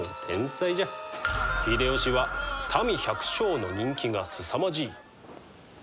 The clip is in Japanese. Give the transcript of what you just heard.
秀吉は民百姓の人気がすさまじい。